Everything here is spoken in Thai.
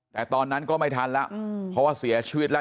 แต่ตอนนั้นก็ไม่ทันแล้วเพราะว่าเสียชีวิตแล้ว